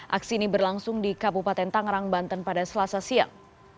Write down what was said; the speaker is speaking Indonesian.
aksi ini berlangsung di kabupaten tangerang banten pada selasa siang